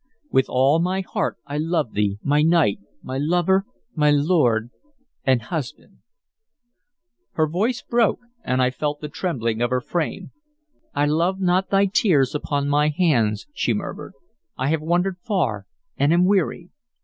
With all my heart I love thee, my knight, my lover, my lord and husband" Her voice broke, and I felt the trembling of her frame. "I love not thy tears upon my hands," she murmured. "I have wandered far and am weary.